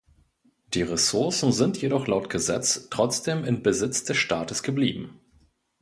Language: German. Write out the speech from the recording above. Die Ressourcen sind jedoch laut Gesetz trotzdem in Besitz des Staates geblieben.